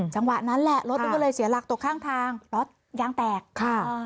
จังหวะนั้นแหละรถมันก็เลยเสียหลักตกข้างทางรถยางแตกค่ะ